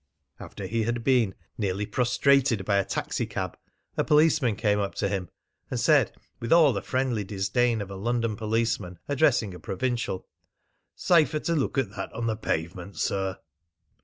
After he had been nearly prostrated by a taxicab, a policeman came up to him and said with all the friendly disdain of a London policeman addressing a provincial: "Safer to look at that on the pavement, sir!"